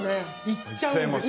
行っちゃいます。